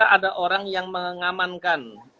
ada orang yang mengamankan